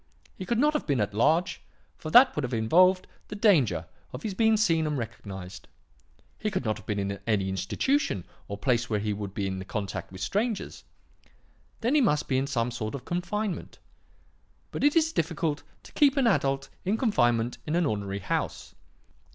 He could not have been at large, for that would have involved the danger of his being seen and recognized. He could not have been in any institution or place where he would be in contact with strangers. Then he must be in some sort of confinement. But it is difficult to keep an adult in confinement in an ordinary house.